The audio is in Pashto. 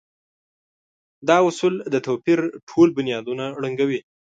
دا اصول د توپير ټول بنيادونه ړنګوي.